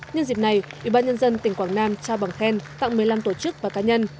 nhân dịp này ủy ban nhân dân tỉnh quảng nam trao bằng khen tặng một mươi năm tổ chức và cá nhân